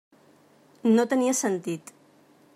No tenia sentit.